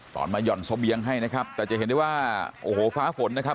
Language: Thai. ตอนมาหย่อนเสบียงให้นะครับแต่จะเห็นได้ว่าโอ้โหฟ้าฝนนะครับ